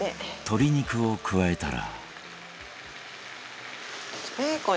鶏肉を加えたら